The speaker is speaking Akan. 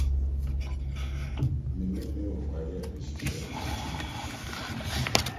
Me ne me wɔfa ayɛ nhyehyɛe ɔkyena.